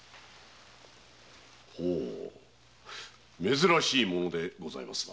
珍しいものでございますな。